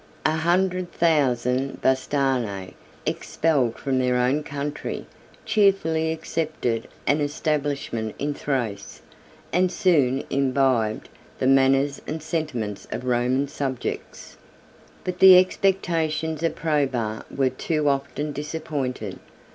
A hundred thousand Bastarnæ, expelled from their own country, cheerfully accepted an establishment in Thrace, and soon imbibed the manners and sentiments of Roman subjects. 48 But the expectations of Probus were too often disappointed.